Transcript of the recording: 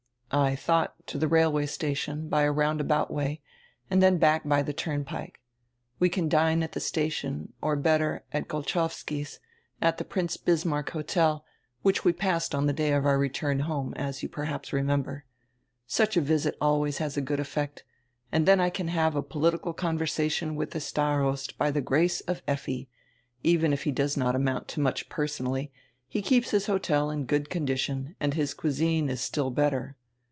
"I thought, to the railway station, by a roundabout way, and then back by the turnpike. We can dine at the station or, better, at Golchowski's, at the Prince Bismarck Hotel, which we passed on the day of our return home, as you perhaps remember. Such a visit always has a good effect, and then I can have a political conversation with the Starost by the grace of Effi, and even if he does not amount to much personally he keeps his hotel in good condition and his cuisine in still better.